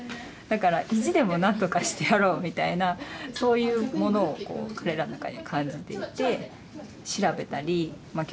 だから意地でも何とかしてやろうみたいなそういうものを彼らの中に感じていて調べたりまあ